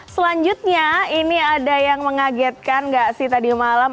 selanjutnya ini ada yang mengagetkan nggak sih tadi malam